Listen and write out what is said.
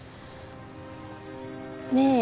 ねえ。